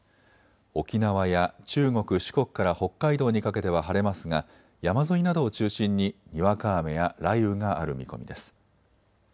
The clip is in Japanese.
沖縄や中国・四国から北海道にかけては晴れますが山沿いなどを中心ににわか雨や雷雨がある見込みです。